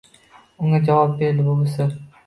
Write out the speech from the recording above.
Unga javob berdi buvisi.